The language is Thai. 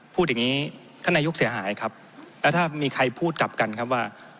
พูดอย่างนี้ท่านนายกเสียหายครับแล้วถ้ามีใครพูดกลับกันครับว่า